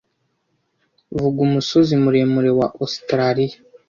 Vuga umusozi muremure wa Ositaraliya